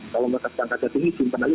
kalau mereka sepangkatnya tinggi simpan aja